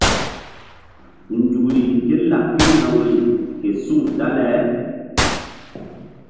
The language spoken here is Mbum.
Nzukri kélaɓ pihna woyri ke suŋ dale.